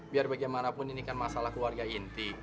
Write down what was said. biar bagaimanapun ini kan masalah keluarga inti